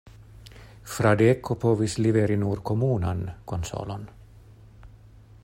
Fradeko povis liveri nur komunan konsolon.